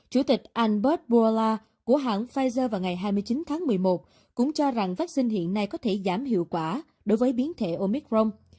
chủ tịch albert bola của hãng pfizer vào ngày hai mươi chín tháng một mươi một cũng cho rằng vaccine hiện nay có thể giảm hiệu quả đối với biến thể omicron